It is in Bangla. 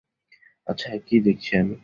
আচ্ছা, কী দেখছি আমি?